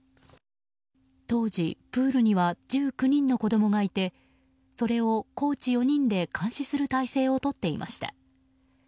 当時、プールには１９人の子供がいてそれをコーチ４人で監視する態勢をとっていました。